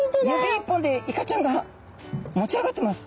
指一本でイカちゃんが持ち上がってます。